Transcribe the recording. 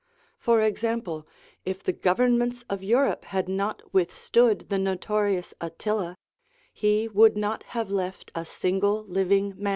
For example, if the governments of Europe had not withstood the notorious Attila, he would not have left a single living man.